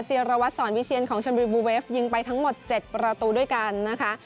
ีรวัตรสอนวิเชียนของชนบุรีบูเวฟยิงไปทั้งหมด๗ประตูด้วยกันนะคะ